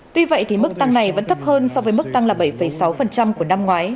tuy vậy thì mức tăng này vẫn thấp hơn so với mức tăng là bảy sáu của năm ngoái